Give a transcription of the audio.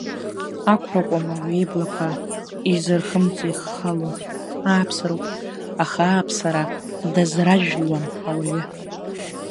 Ақәра акәым ауаҩы иблақәа изырхымҵо иххало, ааԥсароуп, аха ааԥсара дазражәуам ауаҩы.